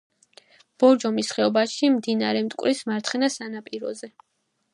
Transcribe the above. ბორჯომის ხეობაში, მდინარე მტკვრის მარცხენა ნაპირზე.